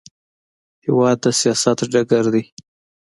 هېواد د سیاست ډګر دی.